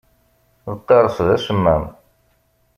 Lqaṛes d asemmam.